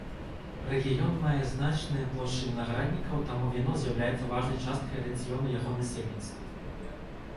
Рэгіён мае значныя плошчы вінаграднікаў, таму віно з'яўляецца важнай часткай рацыёну яго насельніцтва.